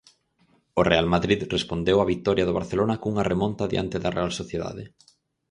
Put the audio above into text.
O Real Madrid respondeu á vitoria do Barcelona cunha remonta diante da Real Sociedade.